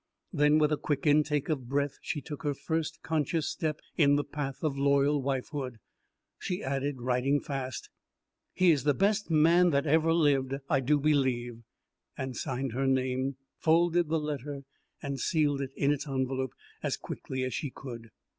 Then with a quick intake of breath she took her first conscious step in the path of loyal wifehood. She added, writing fast: "He is the best man that ever lived, I do believe," and signed her name, folded the letter and sealed it in its envelope as quickly as she could.